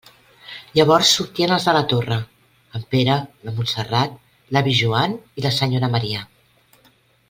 Llavors sortien els de la Torre: en Pere, la Montserrat, l'avi Joan i la senyora Maria.